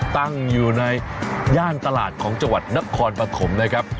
ตั้งอยู่ในย่านตลาดของจังหวัดนครปฐมนะครับ